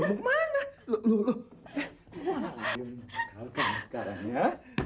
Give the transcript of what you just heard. kau mana lagi yang bakal kamu sekarang ya